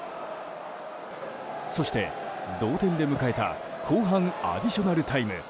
そして、同点で迎えた後半アディショナルタイム。